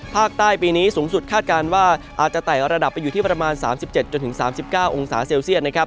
ภาคใต้ปีนี้อาจจะไตและระดับเป็นอยู่ที่ประมาณ๓๗๓๙องศาเซลเซียน